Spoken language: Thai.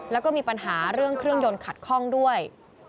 แล้วก็มีปัญหาเรื่องเครื่องยนต์ขัดข้องด้วย